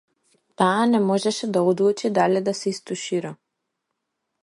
Таа не можеше да одлучи дали да се истушира.